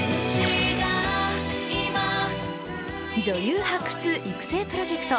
女優発掘・育成プロジェクト